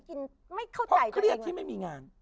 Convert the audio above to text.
เพราะเครียดที่ไม่มีงาน